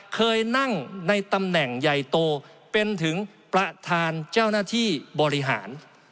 เคยนั่งในตำแหน่งใหญ่โตเป็นถึงประธานเจ้าหน้าที่บริหาร